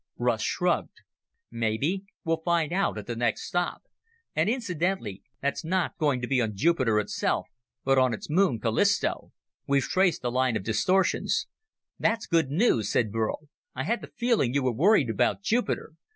Russ shrugged. "Maybe. We'll find out at the next stop. And, incidentally, that's not going to be on Jupiter itself, but on its moon Callisto. We've traced the line of distortions." "That's good news," said Burl. "I had the feeling you were worried about Jupiter.